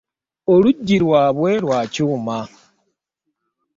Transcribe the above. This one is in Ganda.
Oluggi lwabwe lwa kyuma.